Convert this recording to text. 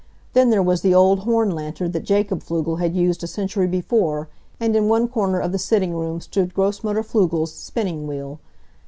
Then there was the old horn lantern that Jacob Pflugel had used a century before, and in one corner of the sitting room stood Grossmutter Pflugel's spinning wheel.